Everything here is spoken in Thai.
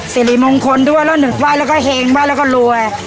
สิริมงคลด้วยแล้วหนึ่งไหว้แล้วก็เห็งไหว้แล้วก็รวย